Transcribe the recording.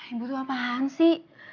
ibu tuh apaan sih